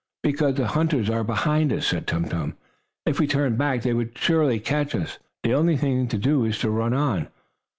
"Because the hunters are behind us," said Tum Tum. "If we turned back, they would surely catch us. The only thing to do is to run on."